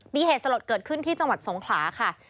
มีเหตุสลดเกิดขึ้นที่จังหวัดสงขลาค่ะ